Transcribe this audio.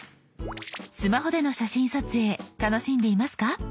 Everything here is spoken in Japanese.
スマホでの写真撮影楽しんでいますか？